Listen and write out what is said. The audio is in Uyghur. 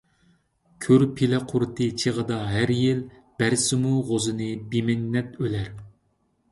كۆر پىلە قۇرۇتى چېغىدا ھەر يىل، بەرسىمۇ غوزىنى بىمىننەت ئۆلەر.